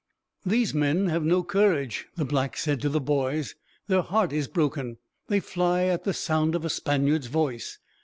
"These men have no courage," the blacks said to the boys. "Their heart is broken. They fly at the sound of a Spaniard's voice.